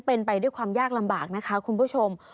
เป็นไปด้วยความยากลำบากนะคะคุณผู้ชม